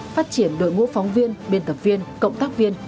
phát triển đội ngũ phóng viên biên tập viên cộng tác viên